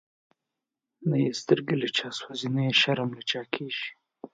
نه یی سترگی له چا سوځی، نه یی شرم له چا کیږی